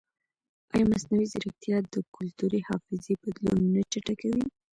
ایا مصنوعي ځیرکتیا د کلتوري حافظې بدلون نه چټکوي؟